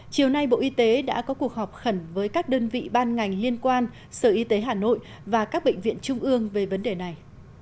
chiều nay bộ y tế đã có cuộc họp khẩn với các đơn vị ban ngành liên quan sở y tế hà nội và các bệnh viện trung ương về vấn đề này